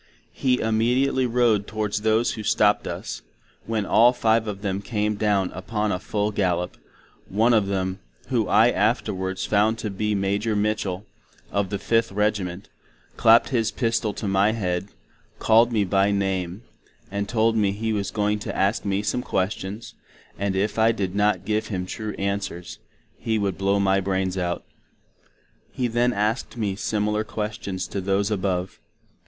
He imediately rode towards those who stoppd us, when all five of them came down upon a full gallop; one of them, whom I afterwards found to be Major Mitchel, of the 5th Regiment, Clapped his pistol to my head, called me by name, and told me he was going to ask me some questions, and if I did not give him true answers, he would blow my brains out. He then asked me similar questions to those above.